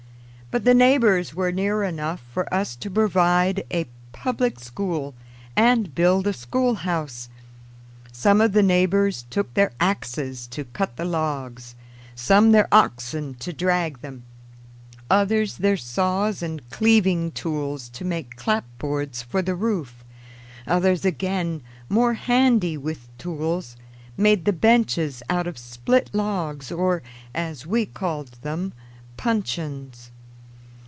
But the neighbors were near enough for us to provide a public school and build a schoolhouse. Some of the neighbors took their axes to cut the logs, some their oxen to drag them, others their saws and cleaving tools to make clapboards for the roof. Others again, more handy with tools, made the benches out of split logs, or, as we called them, puncheons.